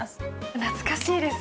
懐かしいです。